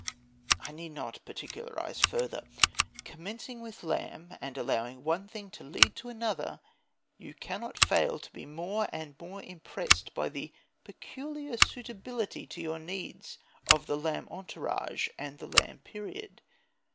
I need not particularise further. Commencing with Lamb, and allowing one thing to lead to another, you cannot fail to be more and more impressed by the peculiar suitability to your needs of the Lamb entourage and the Lamb period.